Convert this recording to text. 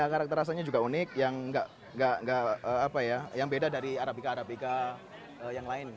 karakter rasanya juga unik yang beda dari arabica arabica yang lain